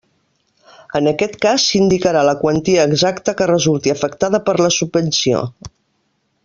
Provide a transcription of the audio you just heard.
En aquest cas s'indicarà la quantia exacta que resulti afectada per la subvenció.